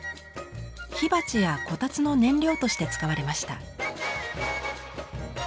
火鉢やこたつの燃料として使われました。